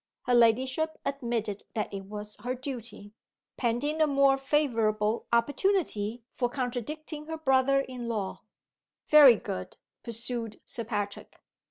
Her ladyship admitted that it was her duty; pending a more favorable opportunity for contradicting her brother in law. "Very good," pursued Sir Patrick.